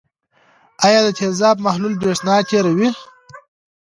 آیا د تیزاب محلول برېښنا تیروي؟